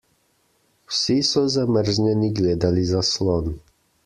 Vsi so zamrznjeni gledali zaslon.